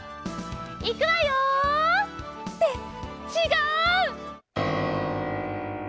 いくわよ！ってちがう！